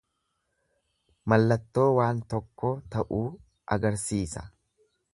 Mallattoo waan tokkoo ta'uu agarsiisa.